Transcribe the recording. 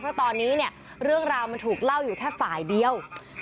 เพราะตอนนี้เนี่ยเรื่องราวมันถูกเล่าอยู่แค่ฝ่ายเดียว